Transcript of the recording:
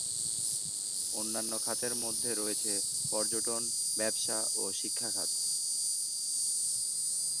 অন্যান্য খাতের মধ্যে রয়েছে, পর্যটন, ব্যবসা এবং শিক্ষা খাত।